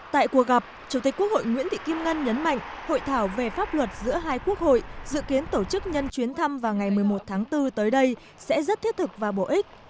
tại cuộc gặp chủ tịch quốc hội nguyễn thị kim ngân nhấn mạnh hội thảo về pháp luật giữa hai quốc hội dự kiến tổ chức nhân chuyến thăm vào ngày một mươi một tháng bốn tới đây sẽ rất thiết thực và bổ ích